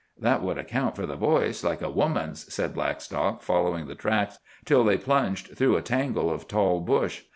"That would account for the voice, like a woman's," said Blackstock, following the tracks till they plunged through a tangle of tall bush.